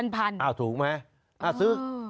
พันอ่ะถูกไหม